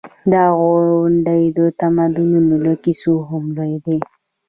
دا غونډ د تمدنونو له کیسو هم لوی دی.